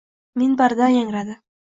Minbaridan yangradi.